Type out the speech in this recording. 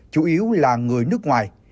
chủ yếu là người nước ngoài